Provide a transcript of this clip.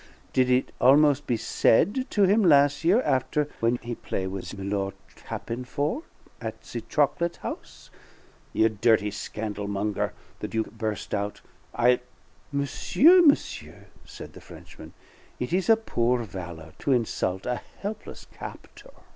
Did it almos' be said to him las' year, after when he play' with Milor' Tappin'ford at the chocolate house " "You dirty scandal monger!" the Duke burst out. "I'll " "Monsieur, monsieur!" said the Frenchman. "It is a poor valor to insult a helpless captor.